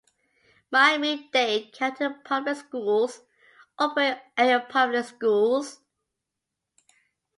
Miami-Dade County Public Schools operates area public schools.